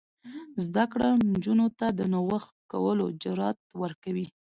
زده کړه نجونو ته د نوښت کولو جرات ورکوي.